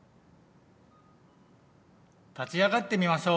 立ち上がってみましょう！